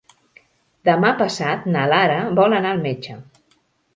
Demà passat na Lara vol anar al metge.